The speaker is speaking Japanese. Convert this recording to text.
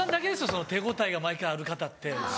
その手応えが毎回ある方って。